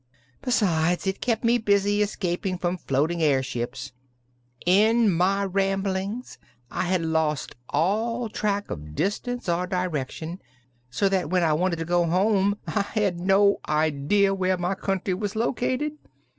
Besides, it kept me busy escaping from floating airships. In my rambling I had lost all track of distance or direction, so that when I wanted to go home I had no idea where my country was located.